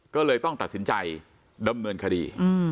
ก็เลยต้องตัดสินใจดำเนินคดี